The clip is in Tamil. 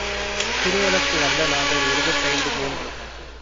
திருவலத்து வல்ல நாதர் இருபத்தைந்து மூன்று.